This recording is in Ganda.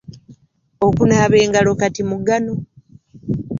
Okunaaba engalo kati mugano.